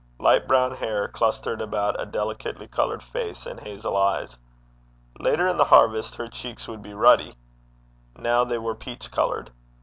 Light brown hair clustered about a delicately coloured face and hazel eyes. Later in the harvest her cheeks would be ruddy now they were peach coloured.